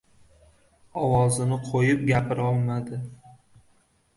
Ovozini qo‘yib gapirolmadi...